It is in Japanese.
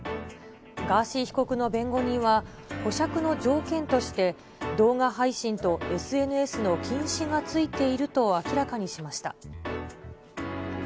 ガーシー被告の弁護人は保釈の条件として、動画配信とＳＮＳの禁止がついていると明らかにしました。